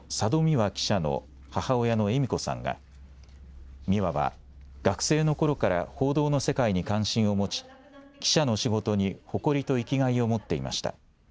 未和記者の母親の恵美子さんが未和は学生のころから報道の世界に関心を持ち記者の仕事に誇りと生きがいを持っていました。